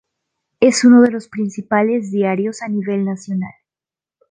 Es uno de los principales diarios a nivel nacional.